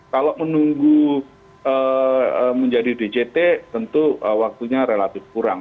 kalau menunggu menjadi dct tentu waktunya relatif kurang